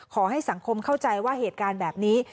ขอให้สังคมเข้าใจว่าเหตุการณ์แบบนี้